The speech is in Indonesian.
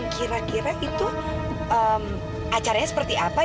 kira kira itu acaranya seperti apa